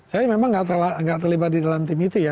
saya memang nggak terlibat di dalam tim itu ya